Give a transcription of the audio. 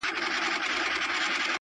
نه تا کړي، نه ما کړي.